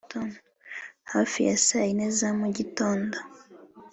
Hafi saa yine za mu gitondo